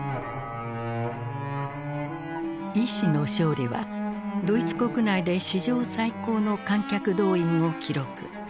「意志の勝利」はドイツ国内で史上最高の観客動員を記録。